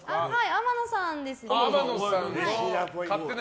天野さんです。